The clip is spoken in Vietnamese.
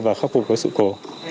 và khắc phục sự cố